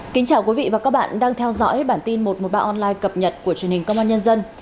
kính chào quý vị và các bạn đang theo dõi bản tin một trăm một mươi ba online cập nhật của truyền hình công an nhân dân